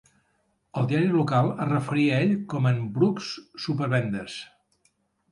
El diari local es referia a ell com en "Brooks supervendes".